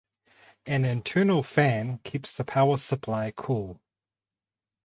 An internal fan keeps the power supply cool.